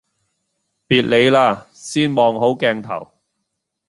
別理啦！先望好鏡頭